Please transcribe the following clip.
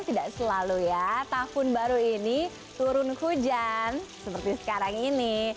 tidak selalu ya tahun baru ini turun hujan seperti sekarang ini